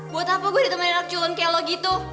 buat apa gue ditemani anak culun kayak lo gitu